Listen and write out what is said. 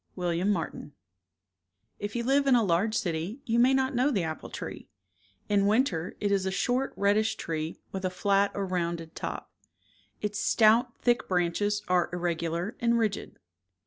— IVllar, Martin If you live in a large city you may not know the apple tree. Inwinter it is a short reddish tree, with a flat or rounded top. Its stout thick branches are irregular and rigid.